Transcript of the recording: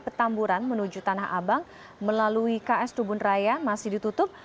petamburan menuju tanah abang melalui ks tubun raya masih ditutup